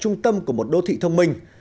chúng ta là trung tâm của một đô thị thông minh